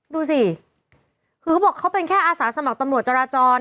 ดูสิคือเขาบอกเขาเป็นแค่อาสาสมัครตำรวจจราจร